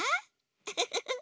フフフフ。